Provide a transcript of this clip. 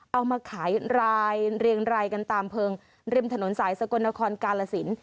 เอามาขายรายเรียงรายกันตามเพลิงริมถนนสายสกลนครกาลสิน